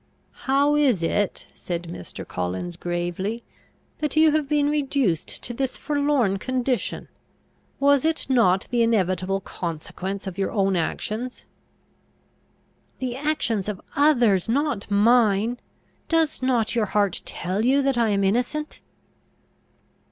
"How is it," said Mr. Collins, gravely, "that you have been reduced to this forlorn condition? Was it not the inevitable consequence of your own actions?" "The actions of others, not mine! Does not your heart tell you that I am innocent?"